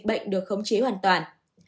dịch bệnh được khống chế hoàn toàn